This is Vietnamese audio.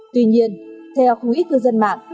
tuy nhiên theo khu ít cư dân mạng